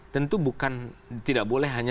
tentu bukan tidak boleh hanya